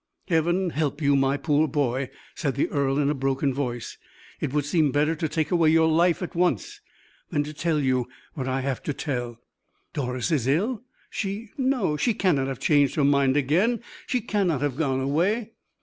"Heaven help you, my poor boy!" said the earl, in a broken voice. "It would seem better to take away your life at once than to tell what I have to tell." "Doris is ill. She no she cannot have changed her mind again she cannot have gone away!"